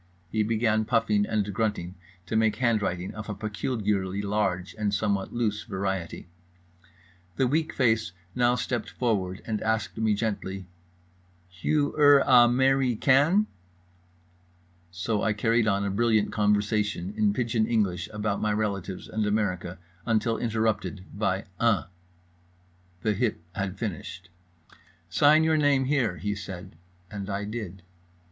He began, puffing and grunting, to make handwriting of a peculiarly large and somewhat loose variety. The weak face now stepped forward, and asked me gently: "Hugh er a merry can?"—so I carried on a brilliant conversation in pidgeon English about my relatives and America until interrupted by "Uh." The hip had finished. "Sign your name, here," he said, and I did.